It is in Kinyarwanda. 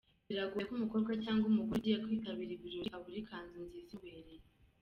Biragoye ko umukobwa cyangwa umugore ugiye kwitabira ibirori abura ikanzu nziza imubereye.